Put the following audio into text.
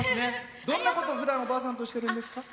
どんなことふだんおばあさんとしてるんですか？